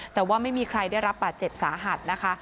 แต่ว่าไม่มีใครได้รับบาดเจ็บสาหัสนะคะ